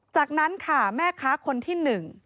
จากนั้นค่ะแม่ค้าคนที่๑